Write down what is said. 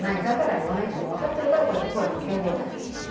だから言わないっていうの分かってるからこうやって声かけ放題。